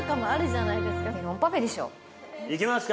いきますか？